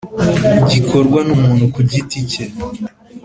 gikorwa n’umuntu ku giti ke